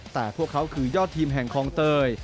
แต่พวกเขาคือยอดทีมแห่งคลองเตย